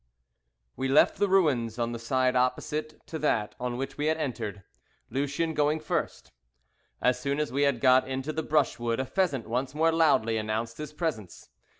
WE left the ruins on the side opposite to that on which we had entered, Lucien going first. As soon as we had got into the brushwood a pheasant once more loudly announced his presence.